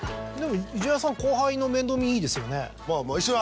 ジュニアさん後輩の面倒見いいですよね。